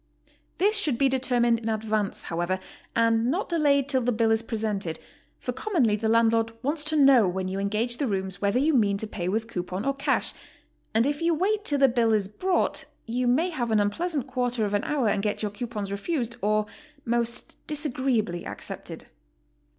This should be determined in advance, however, and not delayed till the bill is presented, for commonly the landlord wants to know when you engage the rooms whether you mean to pay with coupon or cash, and if you wait till the bill is brought, you may have an unpleasant quarter of an hour and get your coupons refused or most disagreeably ac cepted.